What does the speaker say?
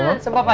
udah sehara satu